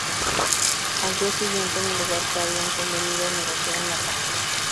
Al día siguiente en el lugar que habían convenido negociaron la paz.